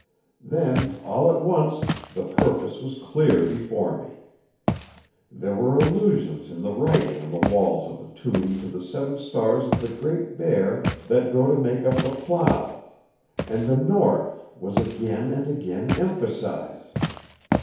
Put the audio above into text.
Then, all at once, the purpose was clear before me. There were allusions in the writing on the walls of the tomb to the seven stars of the Great Bear that go to make up the Plough; and the North was again and again emphasized.